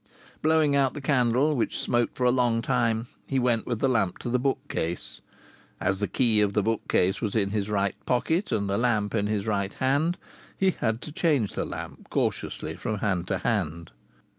Blowing out the candle, which smoked for a long time, he went with the lamp to the bookcase. As the key of the bookcase was in his right pocket and the lamp in his right hand he had to change the lamp, cautiously, from hand to hand.